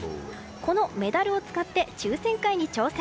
このメダルを使って抽選会に挑戦。